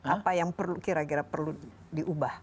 apa yang perlu kira kira perlu diubah